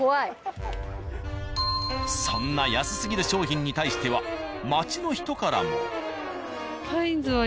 そんな安すぎる商品に対しては街の人からも。